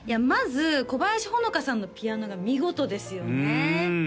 まず小林萌花さんのピアノが見事ですよね